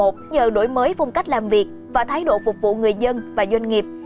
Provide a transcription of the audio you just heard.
nhờ đổi mới phong cách làm việc và thái độ phục vụ người dân và doanh nghiệp